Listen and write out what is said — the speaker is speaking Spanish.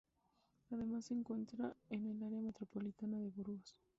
Además se encuentra en el área metropolitana de Burgos.